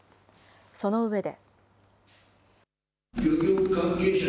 その上で。